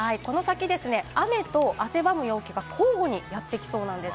この先、雨と汗ばむ陽気が交互にやってきそうなんです。